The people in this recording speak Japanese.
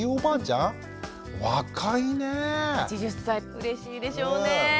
うれしいでしょうね。